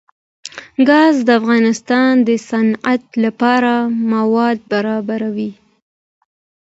ګاز د افغانستان د صنعت لپاره مواد برابروي.